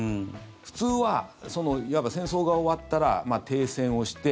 普通は、いわば戦争が終わったら停戦をして